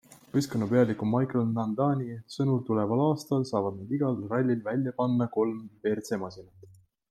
Võistkonna pealiku Michel Nandani sõnul tuleval aastal saavad nad igal rallil välja panna kolm WRC-masinat.